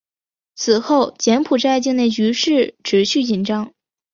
此后柬埔寨境内局势持续紧张。